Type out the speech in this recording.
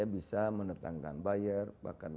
bisa menentangkan bayar bahkan